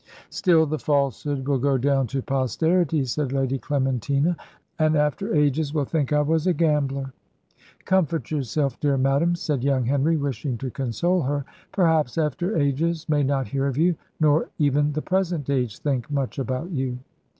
"Still the falsehood will go down to posterity," said Lady Clementina; "and after ages will think I was a gambler." "Comfort yourself, dear madam," said young Henry, wishing to console her: "perhaps after ages may not hear of you; nor even the present age think much about you."